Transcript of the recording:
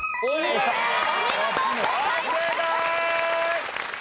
お見事正解です。